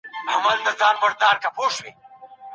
طبي پوهنځۍ په اسانۍ سره نه منظوریږي.